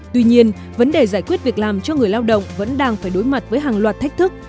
tuy nhiên vấn đề giải quyết việc làm cho người lao động vẫn đang phải đối mặt với hàng loạt thách thức